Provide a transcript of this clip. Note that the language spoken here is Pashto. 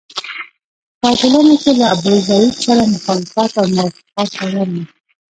په ټولنه کې له ابوزید سره مخالفت او موافقت روان وو.